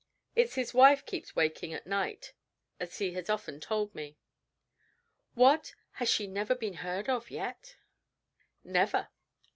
It's his wife keeps him waking at night as he has often told me." "What! Has she never been heard of yet?" "Never.